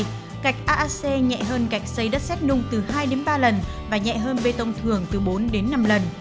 trong đó gạch aac nhẹ hơn gạch xây đất xét nung từ hai ba lần và nhẹ hơn bê tông thường từ bốn năm lần